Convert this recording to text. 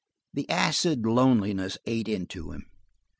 The acid loneliness ate into him.